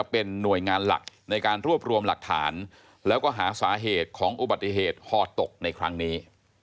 เป็นหน่วยงานหลักในการรวบรวมหลักฐานแล้วก็หาสาเหตุของอุบัติเหตุห่อตกในครั้งนี้